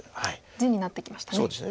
地になってきましたね。